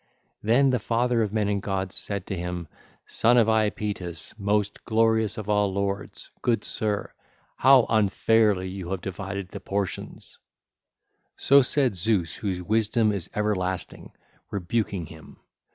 Then the father of men and of gods said to him: (ll. 543 544) 'Son of Iapetus, most glorious of all lords, good sir, how unfairly you have divided the portions!' (ll. 545 547) So said Zeus whose wisdom is everlasting, rebuking him.